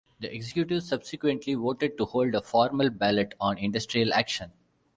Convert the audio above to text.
The executive subsequently voted to hold a formal ballot on industrial action.